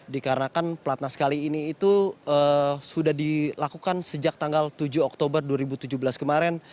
dikarenakan pelatnas kali ini itu sudah dilakukan sejak tanggal tujuh oktober dua ribu tujuh belas kemarin